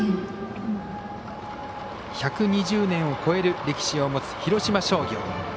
１２０年を超える歴史を持つ広島商業。